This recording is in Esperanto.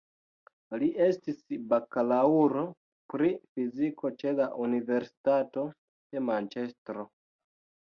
Li estis bakalaŭro pri fiziko ĉe la Universitato de Manĉestro.